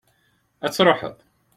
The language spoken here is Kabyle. ad truḥeḍ